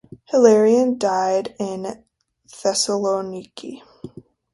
Hilarion died in Thessaloniki.